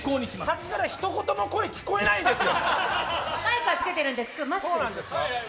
さっきからひと言も声、聞こえないんですよ。